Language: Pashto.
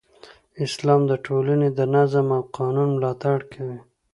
اسلام د ټولنې د نظم او قانون ملاتړ کوي.